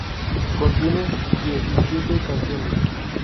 Contiene diecisiete canciones.